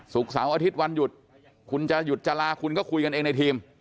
เสาร์อาทิตย์วันหยุดคุณจะหยุดจะลาคุณก็คุยกันเองในทีม